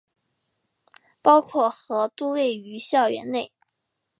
包括和都位于校园内。